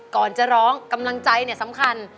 ก่อนจะร้องกำลังใจเนี่ยสำคัญ